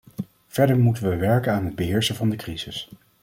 Verder moeten we werken aan het beheersen van de crisis.